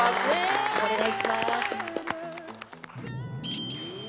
お願いします。